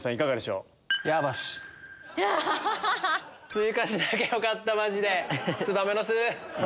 追加しなきゃよかったマジで燕の巣！